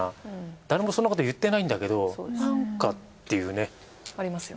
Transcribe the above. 誰もそんなこと言ってないんだけどなんかっていうね。ありますよね。